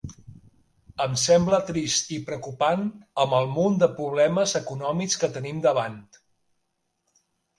Em sembla trist i preocupant, amb el munt de problemes econòmics que tenim davant.